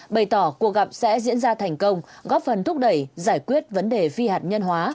bày tỏ cuộc gặp sẽ diễn ra thành công góp phần thúc đẩy giải quyết vấn đề phi hạt nhân hóa